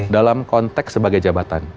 dalam konteks sebagai jabatan